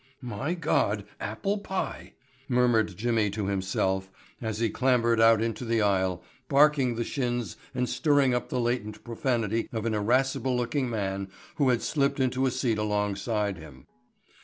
"My God, apple pie," murmured Jimmy to himself as he clambered out into the aisle, barking the shins and stirring up the latent profanity of an irascible looking man who had slipped into a seat alongside him.